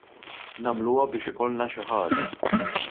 Nagħmluha biex ikollna xi ħaġa.